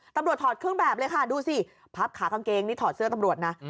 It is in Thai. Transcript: ถอดเครื่องแบบเลยค่ะดูสิพับขากางเกงนี่ถอดเสื้อตำรวจนะ